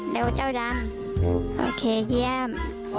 เร็วเจ้าดำโอเคเยี่ยม